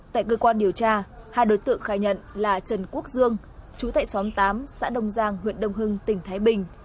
tại cơ quan điều tra hai đối tượng khai nhận là trần quốc dương chú tại xóm tám xã đông giang huyện đông hưng tỉnh thái bình